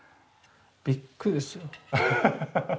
びっくりですよ。